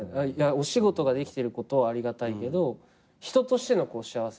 お仕事ができてることはありがたいけど人としての幸せ。